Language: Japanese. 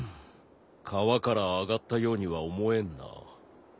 川から上がったようには思えんな。